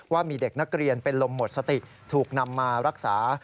ว่ามีเด็กนักเรียนเป็นลมหมดสติถูกนำมารักษา